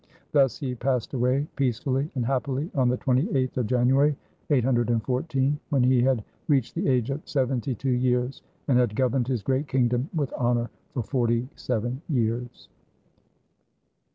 Thus he passed away peacefully and happily on the 28th of January, 814, when he had reached the age of seventy two years, and had governed his great kingdom with honor for forty seven years.